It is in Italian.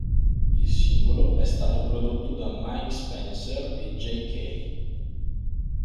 Il singolo è stato prodotto da Mike Spencer e Jay Kay.